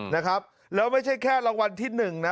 นะครับแล้วไม่ใช่แค่รางวัลที่หนึ่งนะ